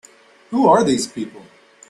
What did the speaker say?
Who are these people?